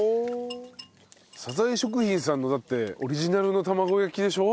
サザエ食品さんのだってオリジナルの玉子焼きでしょ？